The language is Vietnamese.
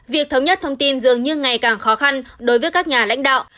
việc thống nhất thông tin dường như ngày càng khó khăn đối với các nhà lãnh đạo